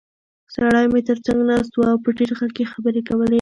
سړی مې تر څنګ ناست و او په ټیټ غږ یې خبرې کولې.